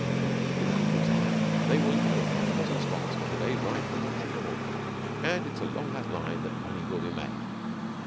In a little time they will know half a dozen spots not a day's ride from Montreal, and it is along that line that money will be made.